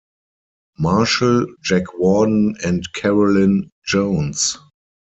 Marshall, Jack Warden and Carolyn Jones.